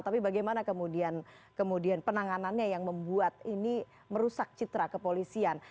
tapi bagaimana kemudian penanganannya yang membuat ini merusak citra kepolisian